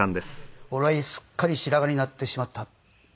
俺はすっかり白髪になってしまった。